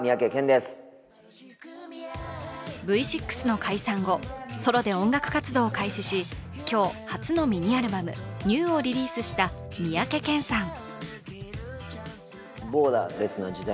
Ｖ６の解散後、ソロで音楽活動を開始し今日、初のミニアルバム「ＮＥＷＷＷ」をリリースした三宅健さん。